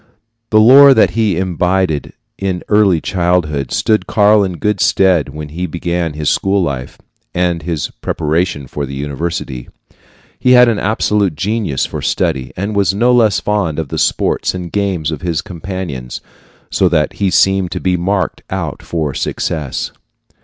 The lore that he imbibed in early childhood stood Karl in good stead when he began his school life, and his preparation for the university. He had an absolute genius for study, and was no less fond of the sports and games of his companions, so that he seemed to be marked out for success.